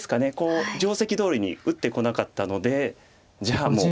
定石どおりに打ってこなかったのでじゃあもう。